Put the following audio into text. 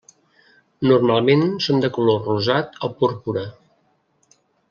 Normalment són de color rosat o púrpura.